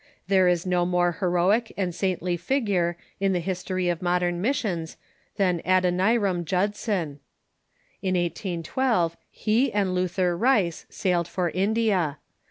There is no more heroic and saintly figure in the history of "pfonee^s'' "^o*^^^!'" missions than Adoniram Judson. In 1812 he and Luther Rice sailed for India.